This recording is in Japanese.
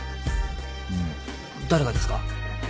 誰がですか？